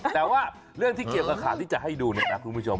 แต่ว่าเรื่องที่เกี่ยวกับข่าวที่จะให้ดูเนี่ยนะคุณผู้ชม